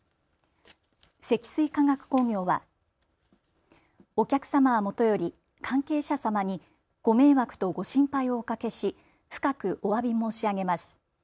積水化学工業はお客様はもとより関係者様にご迷惑とご心配をおかけし深くおわび申し上げます。